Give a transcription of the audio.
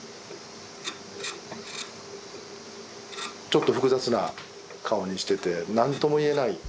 ちょっと複雑な顔にしててなんとも言えない